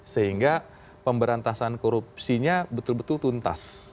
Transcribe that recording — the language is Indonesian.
sehingga pemberantasan korupsinya betul betul tuntas